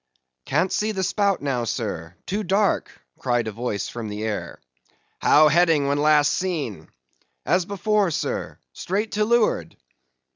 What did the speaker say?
"Can't see the spout now, sir;—too dark"—cried a voice from the air. "How heading when last seen?" "As before, sir,—straight to leeward."